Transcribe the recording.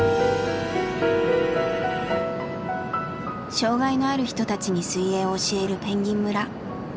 障害のある人たちに水泳を教える「ぺんぎん村」。